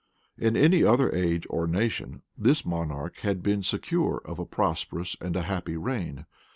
In any other age or nation, this monarch had been secure of a prosperous and a happy reign.